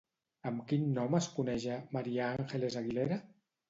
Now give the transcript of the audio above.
Amb quin nom es coneix a María Ángeles Aguilera?